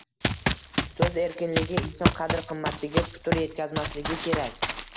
so'z erkinligi inson qadr -qimmatiga putur etkazmasligi kerak